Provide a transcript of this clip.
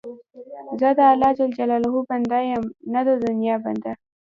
زه د الله جل جلاله بنده یم، نه د دنیا بنده.